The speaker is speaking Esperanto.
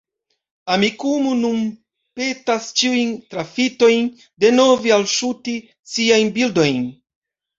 Amikumu nun petas ĉiujn trafitojn denove alŝuti siajn bildojn.